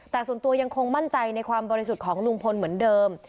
แต่ส่วนตัวยังคงมั่นใจในความบริสุทธิ์ของลุงพลเหมือนเดิม